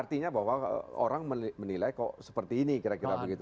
artinya bahwa orang menilai kok seperti ini kira kira begitu